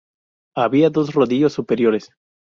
Había dos rodillos superiores.